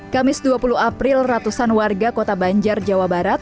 kamis dua puluh april ratusan warga kota banjar jawa barat